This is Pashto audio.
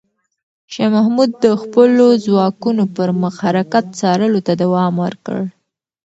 شاه محمود د خپلو ځواکونو پر مخ حرکت څارلو ته دوام ورکړ.